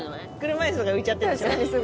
車いすとか浮いちゃってんでしょ？